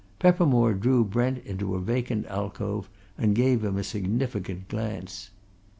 Peppermore drew Brent into a vacant alcove and gave him a significant glance.